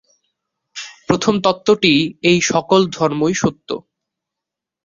প্রথম তত্ত্বটি এই সকল ধর্মই সত্য।